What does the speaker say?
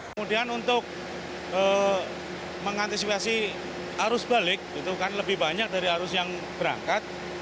kemudian untuk mengantisipasi arus balik itu kan lebih banyak dari arus yang berangkat